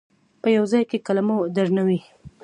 په یوه ځای کې کلمه درنه وي.